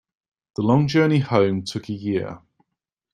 The long journey home took a year.